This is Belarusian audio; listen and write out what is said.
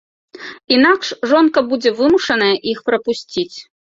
Інакш жонка будзе вымушаная іх прапусціць.